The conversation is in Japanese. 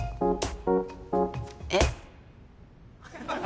えっ？